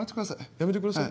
やめてください？